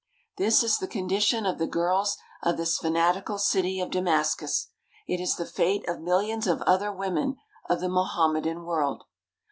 This is the condition of the girls of this fanatical city of Damascus. It is the fate of millions of other women of the Mohammedan world.